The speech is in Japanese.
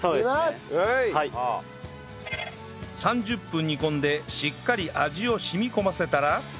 ３０分煮込んでしっかり味を染み込ませたら